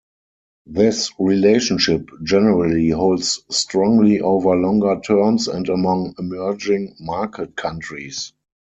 This relationship generally holds strongly over longer terms and among emerging market countries.